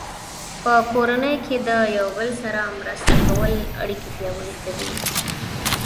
په کورنۍ کې د یو بل سره مرسته کول اړیکې پیاوړې کوي.